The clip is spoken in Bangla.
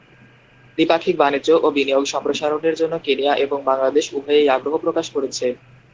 দ্বিপাক্ষিক বাণিজ্য ও বিনিয়োগ সম্প্রসারণের জন্য কেনিয়া এবং বাংলাদেশ উভয়েই আগ্রহ প্রকাশ করেছে।